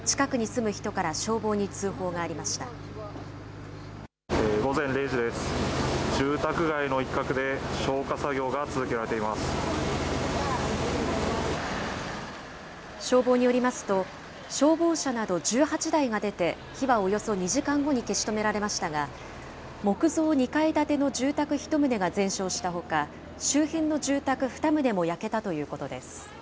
住宅街の一角で消火作業が続けら消防によりますと、消防車など１８台が出て、火はおよそ２時間後に消し止められましたが、木造２階建ての住宅１棟が全焼したほか、周辺の住宅２棟も焼けたということです。